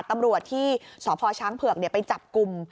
ตำรวจที่สพช้างเผือกไปจับกลุ่ม